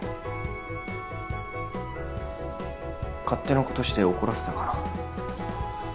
勝手なことして怒らせたかな？